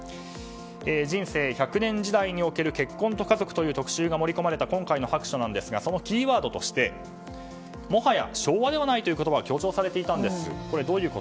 「人生１００年時代における結婚と家族」という特集が盛り込まれた今回の白書なんですがそのキーワードとしてもはや昭和ではないという言葉が強調されていたんです。